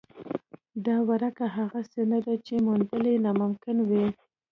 دا ورکه هغسې نه ده چې موندل یې ناممکن وي.